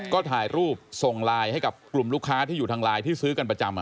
ก็ถ่ายรูปส่งไลน์ให้กับกลุ่มลูกค้าที่อยู่ทางไลน์ที่ซื้อกันประจำ